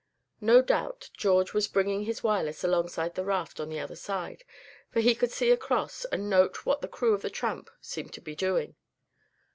No doubt George was bringing his Wireless alongside the raft on the other side, for he could see across, and note what the crew of the Tramp seemed to be doing.